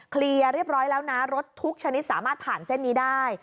เคลียร์เรียบร้อยแล้วนะรถทุกชนิดสามารถผ่านเส้นนี้ได้